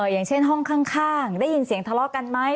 อย่างเช่นห้องข้างได้ยินเสียงทะเลาะกันไหม